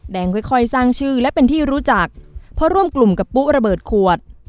ค่อยค่อยสร้างชื่อและเป็นที่รู้จักเพราะร่วมกลุ่มกับปุ๊ระเบิดขวด